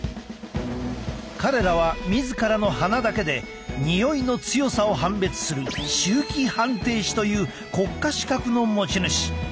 彼らは自らの鼻だけでにおいの強さを判別する臭気判定士という国家資格の持ち主。